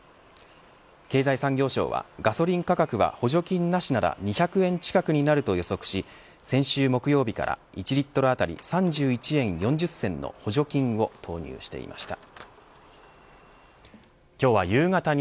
経済産業省はガソリン価格は補助金なしなら２００円近くになると予測し先週木曜日から１リットル当たり３１円４０銭の補助金を投入していました。